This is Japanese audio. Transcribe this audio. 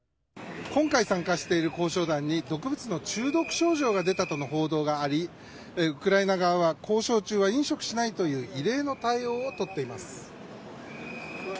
今回、参加している交渉団に毒物の中毒症状が出たとの報道がありウクライナ側は交渉中は飲食しないという異例の対応をとっています。